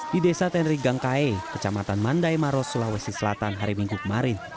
di desa tenri gangkae kecamatan mandai maros sulawesi selatan hari minggu kemarin